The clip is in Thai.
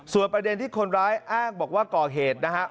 ส่วนประเด็นที่คนร้ายอ้างบอกว่าก่อเหตุนะครับ